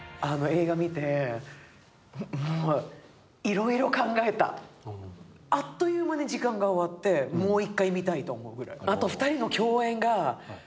映画を見終わっていろいろ考えた、あっという間に時間が終わって、もう一度見たいと思うくらい。